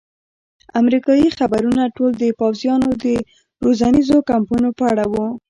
امریکایي خبرونه ټول د پوځیانو د روزنیزو کمپونو په اړه وو.